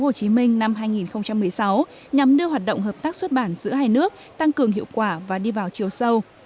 hội sách diễn ra tại tp hcm năm hai nghìn một mươi sáu nhằm đưa hoạt động hợp tác xuất bản giữa hai nước tăng cường hiệu quả và đi vào chiều sâu